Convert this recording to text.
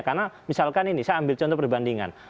karena misalkan ini saya ambil contoh perbandingan